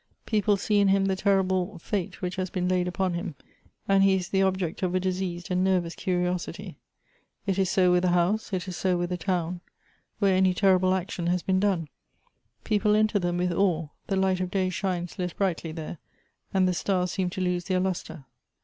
People see in him the terrible fnte which has been laid upon him, and he is the object of a diseased and nervous curiosity. It is so with a house, it is so with a town, where any temble action has been done ; people enter them with awe ; the light of day shines less brightly there, and the stars seem to lose their lustre.